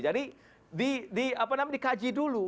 jadi dikaji dulu